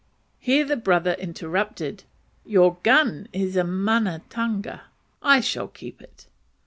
Here the brother interrupted "Your gun is a manatunga; I shall keep it."